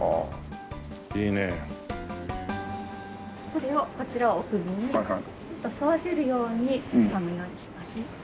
これをこちらをお首に沿わせるようにこのようにしますね。